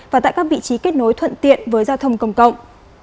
và tại các vị trí kết nối thuận tiện với giao thông công cộng